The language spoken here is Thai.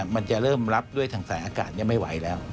มันจะเริ่มรับด้วยทางสายอากาศไม่ไหวแล้ว